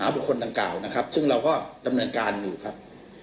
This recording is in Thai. บุคคลดังกล่าวนะครับซึ่งเราก็ดำเนินการอยู่ครับ